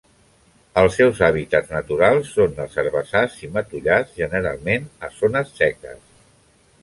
Els seus hàbitats naturals són els herbassars i matollars, generalment a zones seques.